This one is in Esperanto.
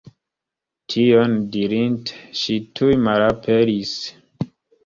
Tion dirinte ŝi tuj malaperis.